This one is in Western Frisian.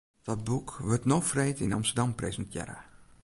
Dat boek wurdt no freed yn Amsterdam presintearre.